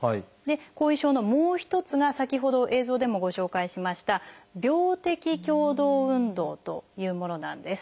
後遺症のもう一つが先ほど映像でもご紹介しました「病的共同運動」というものなんです。